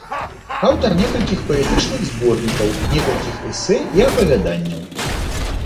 Аўтар некалькіх паэтычных зборнікаў, некалькіх эсэ і апавяданняў.